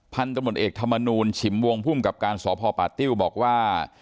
พันธุ์ตำรวจเอกธรรมนูลฉิมวงภูมิกับการสพป่าติ้วบอกว่า